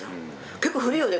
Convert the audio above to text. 結構古いよね